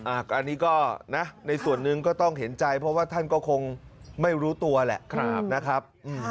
อันนี้ก็นะในส่วนหนึ่งก็ต้องเห็นใจเพราะว่าท่านก็คงไม่รู้ตัวแหละนะครับ